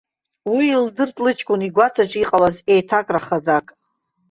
Уи илдырит, лыҷкәын игәаҵаҿы иҟалаз еиҭакра хадак.